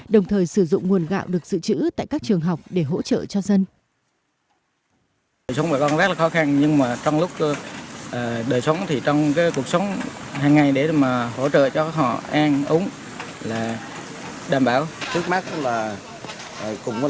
đồng thời sử dụng nguồn gạo được sửa chữa tại các trường học để hỗ trợ cho dân